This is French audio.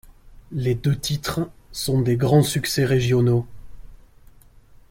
Les deux titres sont des grands succès régionaux.